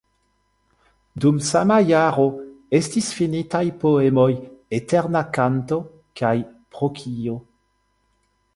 Dum sama jaro estis finitaj poemoj "Eterna kanto" kaj "Pro kio?".